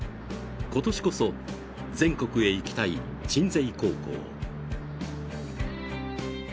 今年こそ全国へ行きたい鎮西高校。